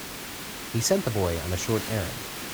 He sent the boy on a short errand.